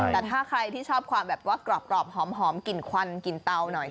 แต่ถ้าใครที่ชอบความแบบว่ากรอบหอมกลิ่นควันกลิ่นเตาหน่อย